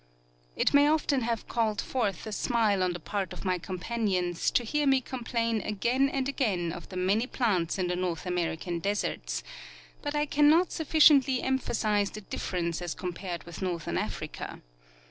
It may often have called forth a smile on the part of my com panions to hear me complain again and again of the many plants in the North American deserts ; but I cannot sufficiently em phasize the difference as compared with northern Africa.